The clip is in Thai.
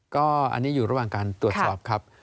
ก็อันนี้อยู่ระหว่างการตรวจสอบครับ